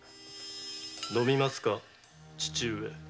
飲みますか父上。